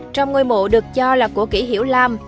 trong ngôi mộ được cho là của kỷ hiểu lam